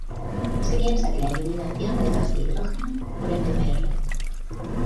Se piensa que la eliminación de gas de hidrógeno por "Mbr.